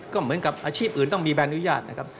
ก็เหมือนกับอาชีพอื่นต้องมีใบอนุญาตนะครับ